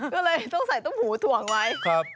ก็เลยต้องใส่ต้มหูถ่วงไว้